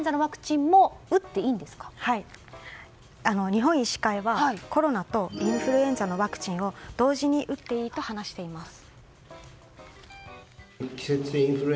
日本医師会はコロナとインフルエンザのワクチンを同時に打っていいと話しています。